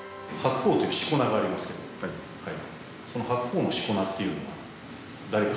はい